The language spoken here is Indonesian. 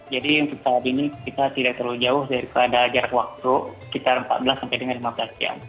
jadi untuk saat ini kita tidak terlalu jauh dari pada jarak waktu sekitar empat belas sampai dengan lima belas siang